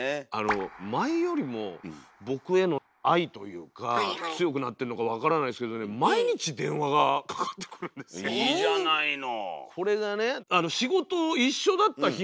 前よりも僕への愛というか強くなってるのか分からないんですけどねいいじゃないの。